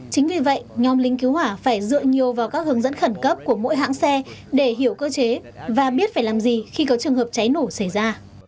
chính vì vậy nhóm lính cứu hỏa phải dựa nhiều vào các hướng dẫn khẩn cấp của mỗi hãng xe để hiểu cơ chế và biết phải làm gì khi có trường hợp cháy nổ xảy ra